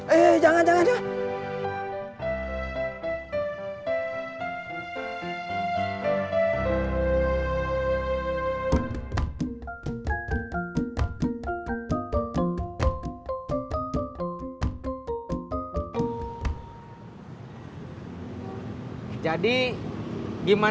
eh jangan jangan jangan